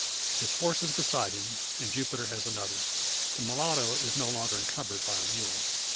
His horse is beside him, and Jupiter has another. The mulatto is no longer encumbered by a mule.